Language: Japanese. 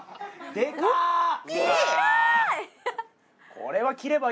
でかい！